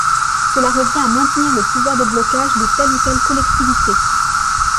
Cela revient à maintenir le pouvoir de blocage de telle ou telle collectivité.